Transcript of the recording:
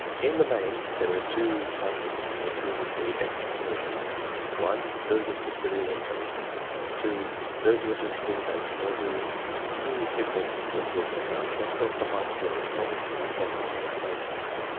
In the main, there are two types of pupils who receive extra promotions: (1) those of superior intelligence; ' (2) those who enter school late or who, through sick / ness or moving about, have dropped behind grade not , withstanding their normal intelligence.